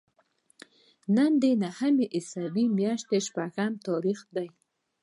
نن د نهمې عیسوي میاشتې شپږمه نېټه ده.